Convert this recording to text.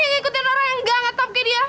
oke gue akan ambil satu lipstick